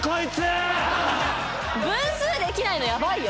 分数できないのヤバいよ！